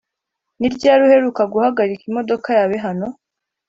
ni ryari uheruka guhagarika imodoka yawe hano?